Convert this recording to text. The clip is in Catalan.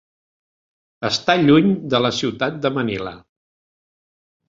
Està lluny de la ciutat de Manila.